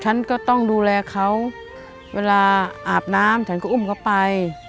ฉันก็ต้องดูแลเขาเวลาอาบน้ำฉันก็อุ้มเขาไป